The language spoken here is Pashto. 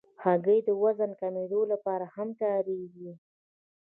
هګۍ د وزن کمېدو لپاره هم کارېږي.